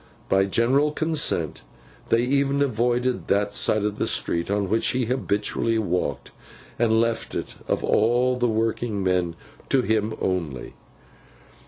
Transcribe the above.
By general consent, they even avoided that side of the street on which he habitually walked; and left it, of all the working men, to him only.